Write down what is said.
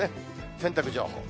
洗濯情報。